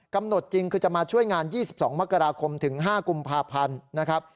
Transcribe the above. กำหนดจริงคือจะมาช่วยงาน๒๒มกราคมถึง๕กุมภาพันธ์นะครับ